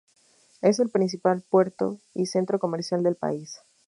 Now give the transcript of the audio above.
Es el principal puerto y centro comercial del país.